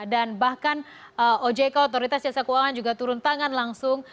bahkan ojk otoritas jasa keuangan juga turun tangan langsung